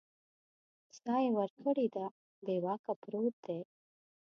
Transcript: ساه یې ورکړې ده بې واکه پروت دی